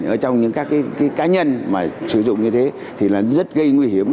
ở trong những các cái cá nhân mà sử dụng như thế thì là rất gây nguy hiểm